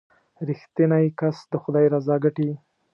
• رښتینی کس د خدای رضا ګټي.